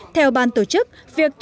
theo bàn tổ chức